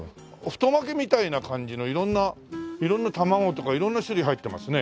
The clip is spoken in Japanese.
太巻きみたいな感じの色んな卵とか色んな種類入ってますね。